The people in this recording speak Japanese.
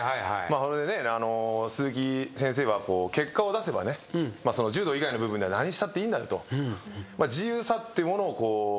鈴木先生は結果を出せばね柔道以外の部分では何したっていいんだよと。